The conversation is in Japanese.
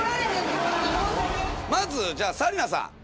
まずじゃあ紗理奈さん。